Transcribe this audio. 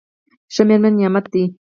ښه مېرمن نعمت دی.